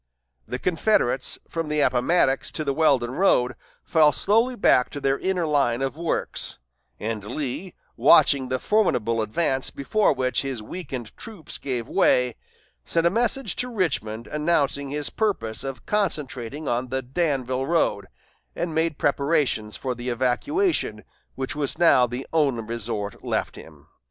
The Confederates, from the Appomattox to the Weldon road, fell slowly back to their inner line of works; and Lee, watching the formidable advance before which his weakened troops gave way, sent a message to Richmond announcing his purpose of concentrating on the Danville road, and made preparations for the evacuation which was now the only resort left him.